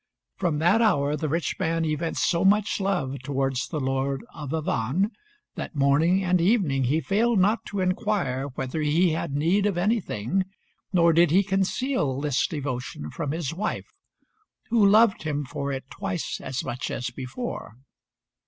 From that hour the rich man evinced so much love towards the Lord of Avannes, that morning and evening he failed not to inquire whether he had need of anything, nor did he conceal this devotion from his wife, who loved him for it twice as much as before.